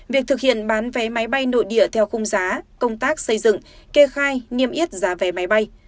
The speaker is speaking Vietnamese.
việc thực hiện bán vé máy bay nội địa theo khung giá công tác xây dựng kê khai nghiêm yết giá vé máy bay